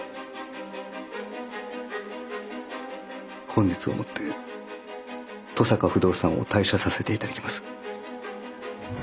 本日をもって登坂不動産を退社させていただきます。